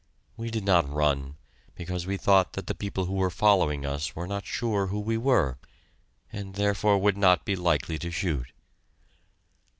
We did not run, because we thought that the people who were following us were not sure who we were, and therefore would not be likely to shoot.